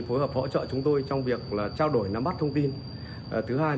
của các tổ chức đơn vị cá nhân đóng góp trên địa bàn